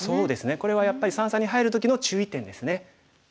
これはやっぱり三々に入る時の注意点ですね。